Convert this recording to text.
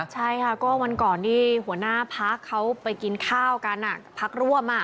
ใช่ค่ะก็วันก่อนที่หัวหน้าพักเขาไปกินข้าวกันพักร่วม